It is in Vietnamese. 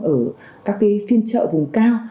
ở các phiên chợ vùng cao